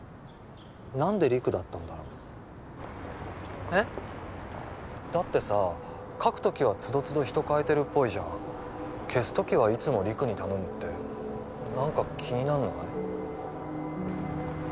何で陸だったんだろ？えっ？だってさ書く時は都度都度人代えてるっぽいじゃん消す時はいつも陸に頼むって何か気になんない？